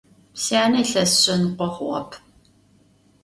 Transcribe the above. Syane yilhes şsenıkho xhuğep.